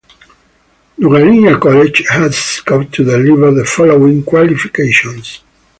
Nungalinya College has scope to deliver the following qualifications.